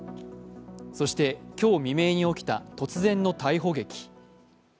そして、今日未明に起きた突然の逮捕劇。